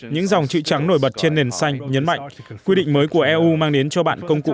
những dòng chữ trắng nổi bật trên nền xanh nhấn mạnh quy định mới của eu mang đến cho bạn công cụ